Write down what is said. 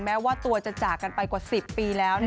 แม้ว่าตัวจะจากกันไปกว่า๑๐ปีแล้ว